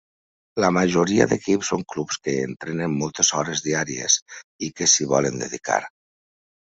La majoria d'equips són clubs que entrenen moltes hores diàries, i que s'hi volen dedicar.